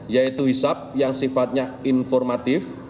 yaitu hisap yang sifatnya informatif